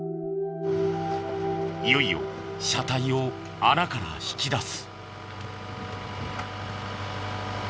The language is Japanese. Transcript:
いよいよ車体を穴から引き出す。